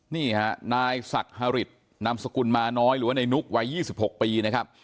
นี่ฮะนายศักดิ์ฮริตนามสกุลมาน้อยหรือว่าในนุกวัย๒๖ปีนะครับ